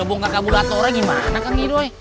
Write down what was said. ya sudah bongka kabulatornya gimana kang idoi